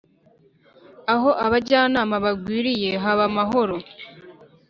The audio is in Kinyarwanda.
aho abajyanama bagwiriye haba amahoro